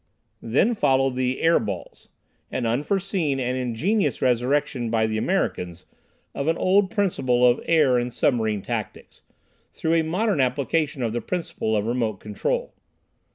Then followed the "air balls," an unforeseen and ingenious resurrection by the Americans of an old principle of air and submarine tactics, through a modern application of the principle of remote control.